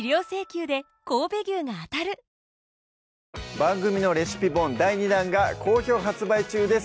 番組のレシピ本第２弾が好評発売中です